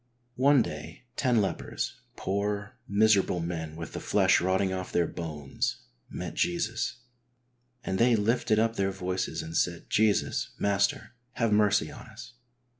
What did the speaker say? One day ten lepers, poor, miserable men with the flesh rotting off their bones, met Jesus, "and they lifted up their voices and said, Jesus, Master, have mercy on us.